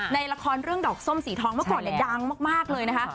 ในละครเรื่องดอกส้มสีทองเมื่อก่อนเนี่ยดังมากเลยนะคะ